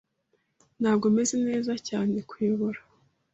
Ntabwo meze neza cyane_kuyobora